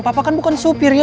papa kan bukan supir ya